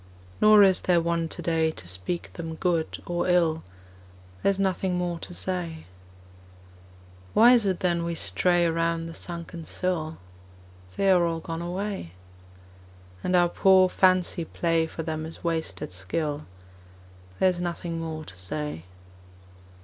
Nor is there one today To speak them good or ill: There is nothing more to say. Why is it then we stray Around the sunken sill? They are all gone away. And our poor fancy play For them is wasted skill: There is nothing more to say.